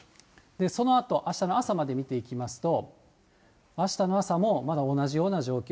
そのあと、あしたの朝まで見ていきますと、あしたの朝も、まだ同じような状況。